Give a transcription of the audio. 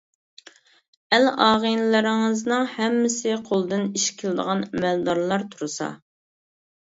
ئەل-ئاغىنىلىرىڭىزنىڭ ھەممىسى قولىدىن ئىش كېلىدىغان ئەمەلدارلار تۇرسا.